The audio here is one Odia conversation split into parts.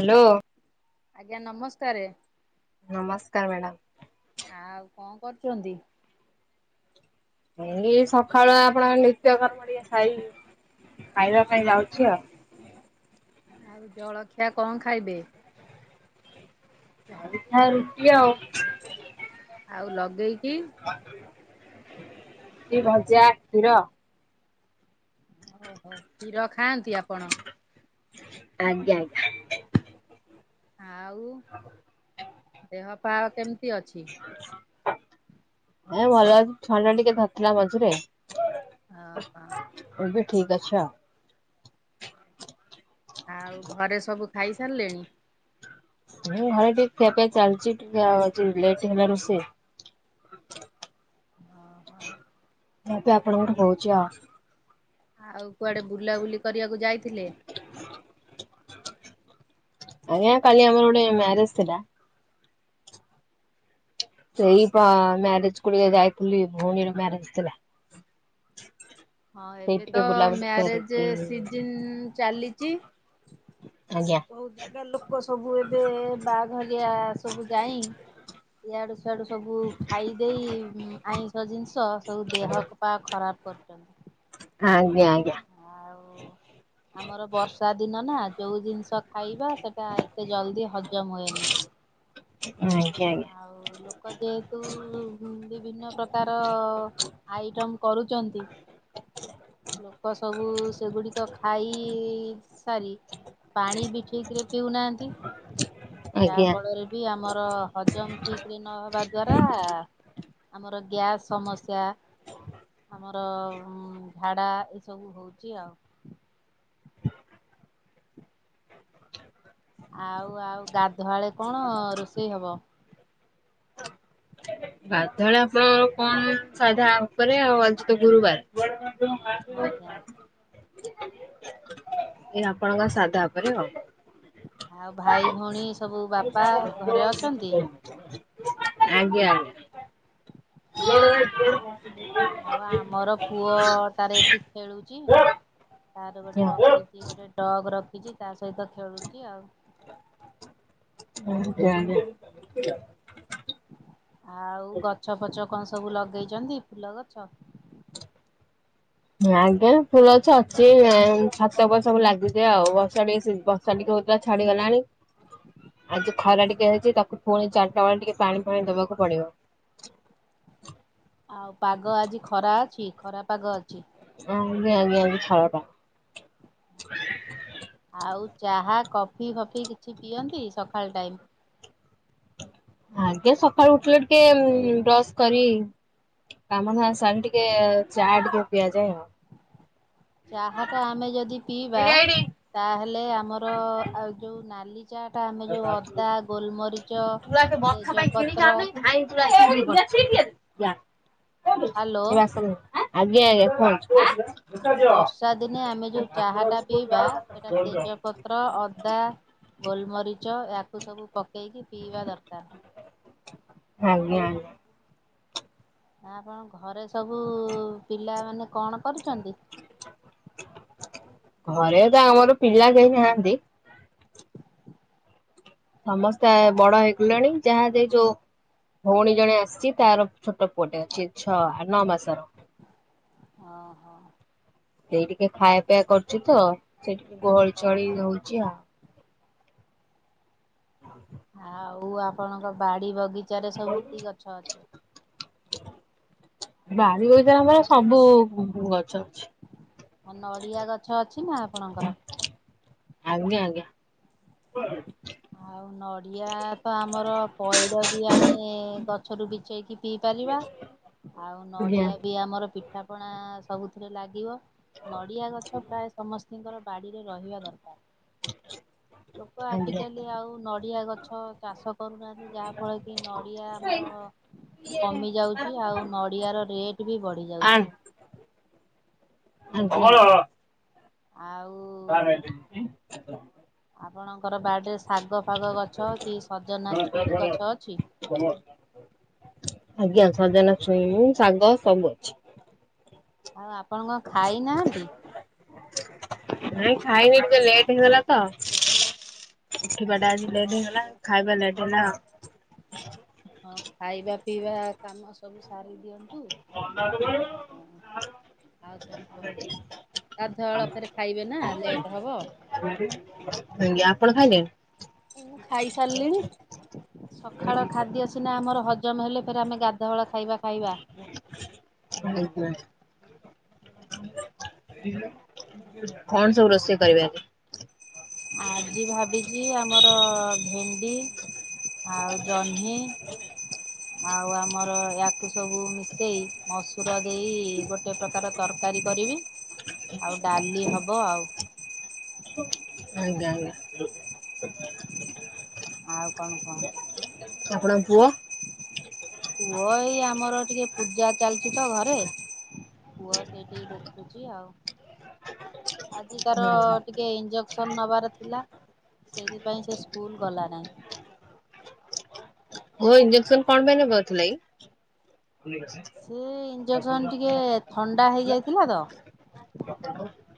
ହାଲୋ ଆଜ୍ଞା ନମସ୍କାର ନମସ୍କାର ମ୍ୟାଡମ୍ ଆଉ କଣ କରୁଚନ୍ତି ଏଇ ସକାଳୁ ଆପଣା ନିତ୍ୟକର୍ମ ଟିକେ ସାଇ ଖାଇବା ପାଇଁ ଯାଉଛି ଆଉ ଆଉ ଜଳଖିଆ କଣ ଖାଇବେ ଭଜା ରୁଟି ଆଉ ଆଉ ଲଗେଇକି ରୁଟି ଭଜା କ୍ଷୀର ଓହୋ କ୍ଷୀର ଖାଆନ୍ତି ଆପଣ ଆଜ୍ଞା ଆଜ୍ଞା ଆଉ ଦେହ ପା କେମତି ଅଛି ଏଇ ଭଲ ଲାଗୁଛି ଥଣ୍ଡା ଟିକେ ଧରିଥିଲା ମଝିରେ ଓହୋ ଏବେ ଠିକ୍ ଅଛି ଆଉ ଆଉ ଘରେ ସବୁ ଖାଇ ସାରିଲେଣି ମୁଁ ଖାଇକି ଖିଆ ପିଆ ଚାଲିଚି ଟିକେ ଆଜି ଲେଟ୍ ହେଲାଣି ସେ ଓହୋ କିନ୍ତୁ ଆପଣଙ୍କର ହେଉଛି ଆଉ ଆଉ କୁଆଡ଼େ ବୁଲାବୁଲି କରିଆକୁ ଯାଇଥିଲେ ଆଜ୍ଞା କାଲି ଆମର ଗୋଟେ ମ୍ୟାରେଜ୍ ଥିଲା ସେଇ ପା ମ୍ୟାରେଜ୍ କୁ ଡିକେ ଯାଇଥିଲି ଭଉଣୀର ମ୍ୟାରେଜ୍ ଥିଲା ହଁ ଏବେ ସେଇଠି ଟିକେ ତ ବୁଲାବୁଲି ମ୍ୟାରେଜେ କରିକି ସିଜିନି ଚାଲିଚି ଆଜ୍ଞା ବୋହୁତ ଜାଗା ଲୋକ ସବୁ ଏବେ ବାଆଘରିଆ ସବୁ ଯାଇଁ ଇଆଡୁ ସିଆଡୁ ସବୁ ଖାଇଦେଇ ଉଁ ଆଇଁଷ ଜିନିଷ ସବୁ ଦେହ ଖ ପା ଖରାପ୍ କରୁଚନ୍ତି ଆଜ୍ଞା ଆଜ୍ଞା ଆଉ ଆମର ବର୍ଷା ଦିନ ନା ଯୋଉ ଜିନିଷ ଖାଇବା ସେଇଟା ଏତେ ଜଲଦି ହଜମ ହୁଏନି ଆଜ୍ଞା। ଆଉ ଲୋ କ ଯେହେତୁ ଉଁ ବିଭିନ୍ନ ପ୍ରକାର ଆଇଟମ୍ କରୁଚନ୍ତି ଲୋକ ସବୁ ସେଗୁଡିକ ଖାଇ ସାରି ପାଣି ବି ଠିକିରେ ପିଉନାହାନ୍ତି ଯା ଆଜ୍ଞା। ଫଳରେ ବି ଆମର ହଜମ ଠିକିରେ ନ ହବାଦ୍ୱାରା ଆମର ଗ୍ୟାସ୍ ସମସ୍ୟା ଆମର ଝାଡା ଏଇ ସବୁ ହେଉଛି ଆଉ ଆଉ ଆଉ ଗାଧୁଆବେଳେ କଣ ରୋଷେଇ ହବ ଗାଧୁଆବେଳେ ଆପଣଙ୍କର କଣ ସାଧା ଉପରେ ଆଉ ଆଜି ତ ଗୁରୁବାର କୁଆଡେ ଆଜ୍ଞା ଏ ଆପଣଙ୍କ ସାଧା ଉପରେ ଆଉ ଆଉ ଭାଇ ଭଉଣୀ ସବୁ ବାପା ଘରେ ଅଛନ୍ତି [inaudible] ଆଜ୍ଞା ଆଜ୍ଞା। ହଁ ଅଁ ଆଉ ଆମର ପୁଅ ତାର ଏଠି ଖେଳୁଚି ତାର ଗୋଟେ ରଖି ଚି ଗୋଟେ ଡଗ୍ ରଖିଚି ତା ସହିତ ଖେଳୁଚି ଆଉ। [unintelligible] ଆଉ ଗଛ ଫଛ କଁ ସବୁ ଲଗେଇଚନ୍ତି ଫୁଲଗଛ। ଆଜ୍ଞା ଫୁଲଗଛ ଅଛି ଆଁ ଛାତ ଉପରେ ସବୁ ଲାଗିଚି ଆଉ ବର୍ଷା ଟିକେ ସି ବ କାଲି କଉଥିଲା ଛାଡିଗଲାଣି ଆଜି ଖରା ଟିକେ ହେଇଚି ତାକୁ ଫୁଣି ଚାରିଟାବେଳେ ଟିକେ ପାଣି ଫାଣି ଦବାକୁ ପଡିବ। ଆଉ ପାଗ ଆଜି ଖରା ଅଛି ଖରା ପାଗ ଅଚି। [unintelligible] [inaudible] ଆଉ ଚାହା କଫି ଫଫି କିଛି ପିଅନ୍ତି ସଖାଳ ଟାଇମ୍? ଆଜ୍ଞା ସଖାଳୁ ଉଠିଲେ ଟିକେ ବ୍ରଶ୍ କରି କାମଧନ୍ଦା ସାରି ଟିକେ ଚା ଟିକେ ପିଆଯାଏ ଆଉ। ଚାହାଟ ଆମେ ଯଦି ପିଇବା ଏଇଠି ଏଇଠି। ତାହେଲେ ଆମର ଆଉ ଯୋଉ ନାଲି ଚାଟା ଆମେ ଯୋଉ ଅଦା ଗୋଲମରିଚ ତେଜପତ୍ର [unintelligible] [unintelligible] ହାଲୋ ଆଜ୍ଞା ଆଜ୍ଞା କୁହନ୍ତୁ। ବର୍ଷା ଦିନେ ଆମେ ଯୋଉ ଚାହାଟା ପିଇବା ସେଟା ତେଜପ ପତ୍ର ଅଦା ଗୋଲମରିଚ ୟାକୁ ସବୁ ପକାଇକି ପିଇବା ଦରକାର। ଆଜ୍ଞ ଆଜ୍ଞା। ଆପଣ ଘରେ ସବୁ ପିଲାମାନେ କଣ କରୁଛନ୍ତି? [inaudible] ଘରେ ତ ଆମର ପିଲା କେହି ନାହାନ୍ତି। ସମସ୍ତେ ବଡ ହେଇଗଲେଣି ଯାହା ଯେ ଯୋଉ ଭଉଣୀ ଜଣେ ଆସିଛି ତାର ଛୋଟ ପୁଅଟେ ଅଛି ଛଅ ନଅ ମାସର। [inaudible] ଓ ହୋ। ସେଇ ଟିକେ ଖାଇବା ପିଇବା କରୁଛି ତ ସେ ଟିକେ ଗହଳି ଚହଳି ଓହୋ ହଉଛି ଆଉ। ହଁ। [unintelligible] ଆଉ ଆପଣଙ୍କ ବାଡି ବଗିଚାରେ ସବୁ କି ଗଛ ଅଛି? ବାଡ଼ି ବଗିଚା ରେ ଆମର ସବୁ ଗଛ ଅଛି। ଅ ନଡ଼ିଆ ଗଛ ଅଛି ନା ଆପଣଙ୍କର? ଆଜ୍ଞା ଆଜ୍ଞା। ଆଉ ନଡ଼ିଆ ତ ଆମର ପଇଡ଼ ବି ଆମେ ଗଛରୁ ବିଛେଇକି ପିଇ ପାରିବା। ଆଉ ଆଜ୍ଞା ନଡ଼ିଆ ବି ଆମର ପିଠା ପଣା ସବୁଥିରେ ଲାଗିବ। ନଡ଼ିଆ ଗଛ ପ୍ରାୟ ସମସ୍ତିଙ୍କର ବାଡିରେ ରହିବା ଦରକାର। ଲୋକ ଆଜି ଆଜ୍ଞା। ଆଜିକାଲି ଆଉ ନଡ଼ିଆ ଗଛ ଚାଷ କରୁନାହାନ୍ତି ଯାହାଫଳରେ କି ନଡ଼ିଆ ଆମର କମି ଯାଉଛି ଆଉ ନଡ଼ିଆ ର ରେଟ୍ ବି ବଢ଼ି ଆଣ ଯାଉଛି। ଆଜ୍ଞା। [unintelligible] ଆଉ ଆପଣଙ୍କର ବାଡ଼ିରେ ଶାଗ ଫାଗ ଗଛ ଅଛି। ସଜନା ଛୁଇଁ ଗଛ ଅଛି? [inaudible] ଆଜ୍ଞା ସଜନା ଛୁଇଁ ଶାଗ ସବୁ ଅଛି। ଆଉ ଆପଣ କଣ ଖାଇ ନାହାନ୍ତି? ନାଇଁ ଖାଇନି ଟିକେ ଲେଟ୍ ହେଇଗଲା ତ। ଉଠିବାଟା ଆଜି ଲେଟ୍ ହେଇଗଲା ଖାଇବା ଲେଟ ହେଲା ଆଉ। ହଁ ଖାଇବା ପିଇବା କାମ ସବୁ ସାରି ଦିଅନ୍ତୁ। ଆଉ ଆଉ କଣ କୁହନ୍ତୁ ଗାଧୁଆଳ ପରେ ଖାଇବେ ନା ଲେଟ ହବ। ଆଜ୍ଞା ଆପଣ ଆଉ ଖାଇଲେ? ଖାଇସାରିଲିଣି ସକାଳ ଖାଦ୍ୟ ସିନା ଆମର ହଜମ ହେଲେ ଫେରେ ଆମେ ଗାଧୁଆଳ ଖାଇବା ଖାଇବା। ଆଜ୍ଞା କଣ ସବୁ ରୋଷେଇ କରିବେ ଆଉ ଆଜି? ଆଜି ଭାବିଛି ଆମର ଭେଣ୍ଡି ଆଉ ଜହ୍ନି ଆଉ ଆମର ୟାକୁ ସବୁ ମିଶେଇ ମ ଚୁର ଦେଇ ଗୋଟେ ପ୍ରକାର ତରକାରୀ କରିବି ଆଉ ଡାଲି ହେବ ଆଉ। ଆଜ୍ଞା ଆଜ୍ଞା ଆଉ କଣ କୁହନ୍ତୁ? ଆପଣଙ୍କ ପୁଅ? ପୁଅ ଏଇ ଆମର ଟିକେ ପୂଜା ଚାଲିଛି ତ ଘରେ ପୁଅ ସେଇଠି ଦେଖୁଛି ଆଉ ଆଜି ତାର ଟିକେ ଇନ୍ଜ ସନ୍ ନବାର ଥିଲା ସେଇଥିପାଇଁ ସେ ସ୍କୁଲ ଗଲା ନାହିଁ। ପୁଅ ଇଞ୍ଜେକ୍ସନ କଣ ପାଇଁ ନେବାର ଥିଲା କି? [unintelligible] ସେ ଇଞ୍ଜେକ୍ସନ ଟିକେ ଥଣ୍ଡା ହେଇଯାଇଥିଲା ତ।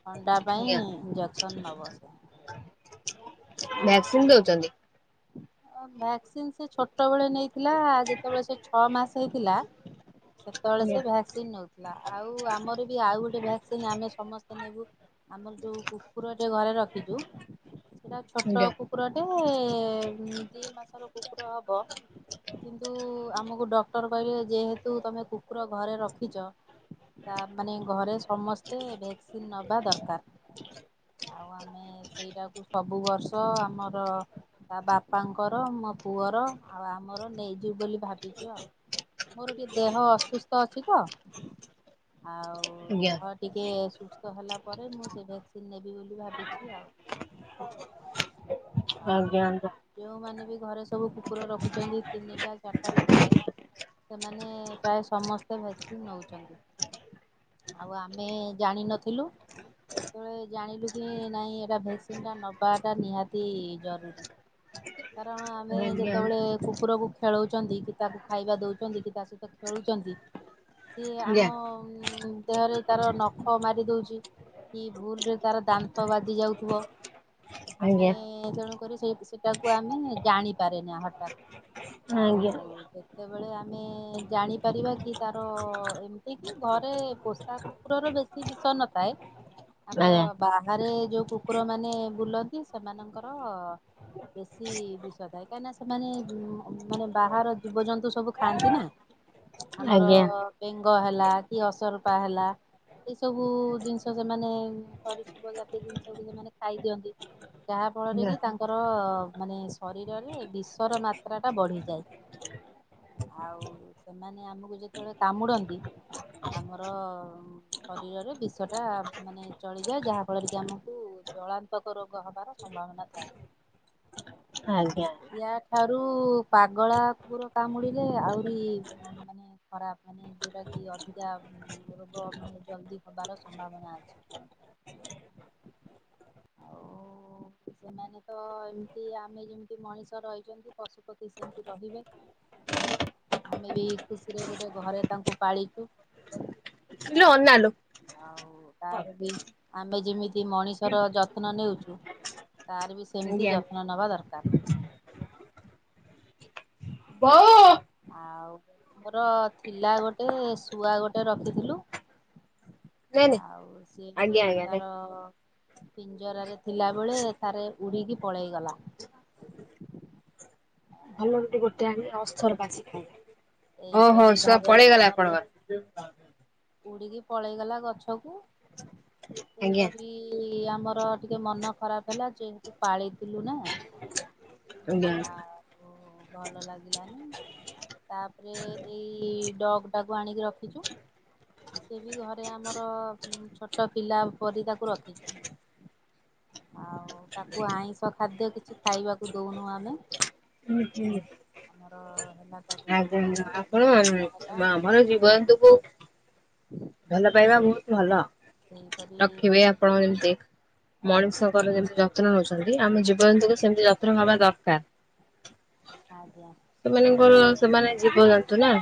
ଥଣ୍ଡା ପାଇଁ ଆଜ୍ଞା ଇଞ୍ଜେକ୍ସନ ନବ ସେ। ଭ୍ୟାକ୍ସିନ୍ ଆଉ ଦଉଛନ୍ତି? ଭ୍ୟାକ୍ସିନ ସେ ଛୋଟବେଳେ ନେଇଥିଲା ଯେତେବେଳେ ସେ ଛଅ ମାସ ହେଇଥିଲା। ସେତେବେଳେ ସେ ଆଜ୍ଞା ଭ୍ୟାକ୍ସିନ ନେଉଥିଲା ଆଉ ଆମର ବି ଆଉ ଗୋଟେ ଭ୍ୟାକ୍ସିନ ଆମେ ସମସ୍ତେ ନେବୁ ଆମର ଯୋଉ କୁକୁର ଟେ ଘରେ ରଖିଛୁ ସେଟା ଛୋଟ ଆଜ୍ଞା କୁକୁରଟେ ଦୁଇ ମାସର କୁକୁର ହବ କିନ୍ତୁ ଆମକୁ ଡକ୍ଟର କହିଲେ ଯେହେତୁ ତମେ କୁକୁର ଘରେ ରଖିଛ। ତା ମାନେ ଘରେ ସମସ୍ତେ ଭ୍ୟାକ୍ସିନ ନବା ଦରକାର। ଆଉ ଆମେ ସେଇଟାକୁ ସବୁ ବର୍ଷ ଆମର ତା ବାପାଙ୍କର ମୋ ପୁଅର ଆଉ ଆମର ନେଇଯିବ ବୋଲି ଭାବିଛୁ ଆଉ। ମୋର ଟିକେ ଦେହ ଅସୁସ୍ଥ ଅଛି ତ ଆଉ। ଆଉ ଆଜ୍ଞା ଦେହ ଟିକେ ସୁସ୍ଥ ହେଲା ପରେ ମୁଁ ସେ ଭ୍ୟାକ୍ସିନ ନେବି ବୋଲି ଭାବିଛି ଆଉ। ଆଉ ଆଜ୍ଞା। ଯେଉଁମାନେ ବି ଘରେ ସବୁ କୁକୁର ରଖୁଛନ୍ତି ତିନିଟା ଚାରିଟା ଲେଖାଏଁ ସେମାନେ ପ୍ରାୟ ସମସ୍ତେ ଭ୍ୟାକ୍ସିନ୍ ନେଉଛନ୍ତି। ଆଉ ଆମେ ଜାଣିନଥିଲୁ ଯେତେବେଳେ ଜାଣିଲୁ କି ନାଇଁ ଏଇଟା ଭ୍ୟାକ୍ସିନ୍ଟା ନେବାଟା ନିହାତି ଜରୁରୀ କାରଣ ଆମେ ଆଜ୍ଞା ଯେତେବେଳେ କୁକୁରକୁ ଖେଳଉଛନ୍ତି କି ତାକୁ ଖାଇବା ଦଉଛନ୍ତି କି ତା ସହିତ ଖେଳୁଛନ୍ତି। ସିଏ ଆଜ୍ଞା ଆମ ଦେହରେ ତାର ନଖ ମାରି ଦଉଛି କି ଭୁଲରେ ତାର ଦାନ୍ତ ବାଜି ଯାଉଥିବ ଆମେ ଆଜ୍ଞା ତେଣୁକରି ସେ ସେଇଟାକୁ ଆମେ ଜାଣିପାରେ ନା ହଠାତ୍। ଆଜ୍ଞା ଆଉ ଆଜ୍ଞା କେତେବେଳେ ଆମେ ଜାଣିପାରିବା କି ତାର ଏମିତି କି ଘରେ ପୋଷା କୁକୁରର ବେଶୀ ବିଷ ନଥାଏ? ଆମର ବାହାରେ ଯୋଉ କୁକୁର ମାନେ ବୁଲନ୍ତି ସେମାନଙ୍କର ବେଶୀ ବିଷ ଥାଏ କାହିଁନା ସେମାନେ ମାନେ ବାହାର ଜୀବଜନ୍ତୁ ସବୁ ଖାଆନ୍ତି ନା। ଆମର ଆଜ୍ଞା ବେଙ୍ଗ ହେଲା କି ଅସରପା ହେଲା ଏଇ ସବୁ ଜିନିଷ ସେମାନେ ସରିଶୃପ ଜାତୀୟ ଜିନିଷ କୁ ସେମାନେ ଖାଇ ଦିଅନ୍ତି ଯାହା ଫଳରେ ଆଜ୍ଞା। କି ତାଙ୍କର ମାନେ ଶରୀରରେ ବିଷ ର ମାତ୍ରା ଟା ବଢିଯାଏ। ଆଉ ସେମାନେ ଆମକୁ ଯେତେବେଳେ କାମୁଡନ୍ତି ଆମର ଶରୀରରେ ବିଷ ଟା ମାନେ ଚଳିଯାଏ ଯାହା ଫଳରେ କି ଆମକୁ ଜଳାନ୍ତକ ରୋଗ ହବାର ସମ୍ଭାବନା ଥାଏ। ଆଜ୍ଞା। ୟା ଠାରୁ ପାଗଳା କୁକୁର କାମୁଡିଲେ ଆହୁରି ମାନେ ଖରାପ୍ ମାନେ ଯୋଉଟାକି ଅଧିକା ରୋଗ ମାନେ ଜଲଦି ହବାର ସମ୍ଭାବନା ଅଛି। ଆଉ ସେମାନେ ତ କି ଆମେ ଯେମିତି ମଣିଷ ରହିଛନ୍ତି ପଶୁପକ୍ଷୀ ସେମିତି ରହିବେନି। ଆମେ ବି ଖୁସିରେ ଗୋଟେ ଘରେ ତାଙ୍କୁ ପାଳିଛୁ। ଆଲୋ ଅନାଲୋ ଆଉ ତାର ବି ଆମେ ଯେମିତି ମଣିଷର ଯତ୍ନ ନେଉଛୁ ତାର ବି ସେମିତି ଆଜ୍ଞା ଯତ୍ନ ନେବା ଦରକାର। ବୋଉ ଆଉ ମୋର ଥିଲା ଗୋଟେ ଶୁଆ ଗୋଟେ ରଖିଥିଲୁ ନେ ନେ ଆଉ ଆଜ୍ଞା ସିଏ ଆଜ୍ଞା ନେ। ତାର ପିଞ୍ଜରା ରେ ଥିଲା ବେଳେ ଥାରେ ଉଡିକି ପଳେଇଗଲା। ଭଲ ଗଟେ ଗୋଟେ ଆଣି ଅଥର ବା ଖାଇ [inaudible] ଓହୋ ଏଇପରି ଶୁଆ ଭାବରେ ପଳେଇଗଲା ଆପଣଙ୍କ [inaudible] ଉଡି଼କି ପଳେଇଗଲା ଗଛକୁ ଆଜ୍ଞା ସେଇପରି ଆମର ଟିକେ ମନ ଖରାପ୍ ହେଲା ଯେହେତୁ ପାଳିଥିଲୁ ନା। ଆଜ୍ଞା। ଆଉ ଭଲ ଲାଗିଲାନି ତାପରେ ଏଇ ଡଗ୍ ଟାକୁ ଆଣିକି ରଖିଛୁ ସେ ବି ଘରେ ଆମର ଛୋଟ ପିଲା ପରି ତାକୁ ରଖିଛୁ। ଆଉ ତାକୁ ଆଇଁଷ ଖାଦ୍ୟ କିଛି ଖାଇବାକୁ ଦଉନୁ ଆ [inaudible] ଆମର ହେଲା ତାକୁ ଆଜ୍ଞା ଆଜ୍ଞା ଆପଣ ପନିପରିବା ହେଲା [inaudible] ଭଲ ଜୀବଜନ୍ତୁଙ୍କୁ ଭଲ ପାଇବା ବହୁତ୍ ସେହିପରି ରଖିବେ ଆପଣ ଯେମତି ମଣିଷ ଙ୍କର ଯେମିତି ଯତ୍ନ ନଉଛନ୍ତି ଆମେ ଜୀବଜନ୍ତୁକୁ ସେମିତି ଯତ୍ନ ନବା ଦରକାର। ଆଜ୍ଞା। ସେମାନଙ୍କର ସେମାନେ ଜୀବଜନ୍ତୁ ନା।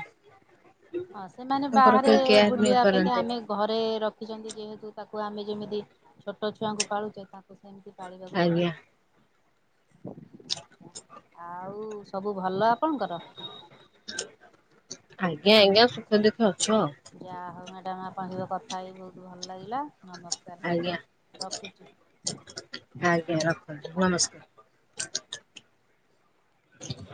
ହଁ ସେମାନେ ତାଙ୍କର ବାହାରେ କେହି କେୟାର ନେଇ ବୁଲିବା ଅପେକ୍ଷା ପାରନ୍ତିନି। ଆମେ ଘରେ ରଖିଛନ୍ତି ଯେହେତୁ ତାକୁ ଆମେ ଯେମିତି ଛୋଟ ଛୁଆଙ୍କୁ ପାଳୁଛେ ତାଙ୍କୁ ସେମିତି ପାଳିବାକୁ ଆଜ୍ଞା ପଡ଼ିଥାଏ ଆଜ୍ଞା ଆଉ ସବୁ ଭଲ ଆପଣଙ୍କର? ଆଜ୍ଞା ଆଜ୍ଞା ସୁଖେ ଦୁଃଖେ ଅଛୁ ଆଉ। ଯାହା ହଉ ମ୍ୟାଡ଼ମ ଆପଣଙ୍କ ସହିତ କଥା ହେଇକି ବହୁତ ଭଲ ଲାଗିଲା ନମସ୍କାର। ଆଜ୍ଞା, ରଖୁଛି। ଆଜ୍ଞା। ରଖନ୍ତୁ ନମସ୍କାର। [inaudible]